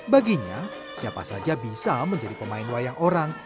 baginya siapa saja bisa menjadi pemain wayang orang